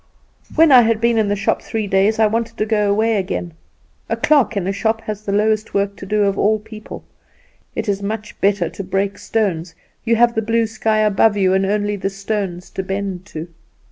"When I had been in the shop three days I wanted to go away again. A clerk in a shop has the lowest work to do of all the people. It is much better to break stones; you have the blue sky above you, and only the stones to bend to.